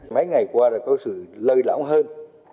mấy ngày qua đã có sự lây lão hơn